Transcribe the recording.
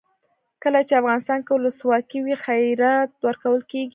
کله چې افغانستان کې ولسواکي وي خیرات ورکول کیږي.